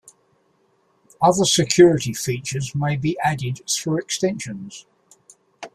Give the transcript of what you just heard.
Other security features may be added through extensions.